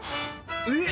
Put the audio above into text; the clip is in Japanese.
えっ！